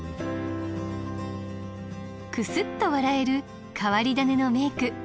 クスッと笑える変わり種の名句。